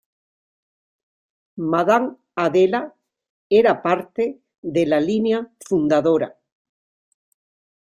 M. Adela era parte de la "Línea Fundadora.